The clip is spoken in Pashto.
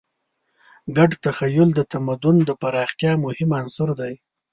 ګډ تخیل د تمدن د پراختیا مهم عنصر دی.